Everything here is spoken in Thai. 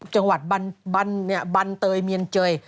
จังหวัดบันเตยเมียนเจย